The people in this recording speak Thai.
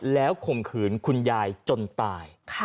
แล้วข่มขืนคุณยายจนตาย